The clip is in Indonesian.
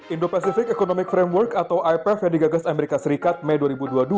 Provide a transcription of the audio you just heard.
indo pacific economic framework atau ipf yang digagas amerika serikat mei dua ribu dua puluh dua